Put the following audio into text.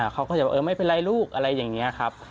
เขาก็จะบอกเออไม่เป็นไรลูกอะไรอย่างนี้ครับ